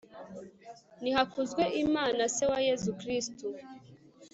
nihakuzwe imana se wa yezu kristu